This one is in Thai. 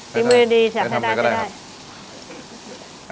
จริงอย่างดีนะใช้ได้